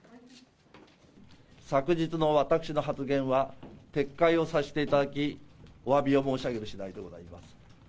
昨日の私の発言は撤回をさせていただき、おわびを申し上げるしだいでございます。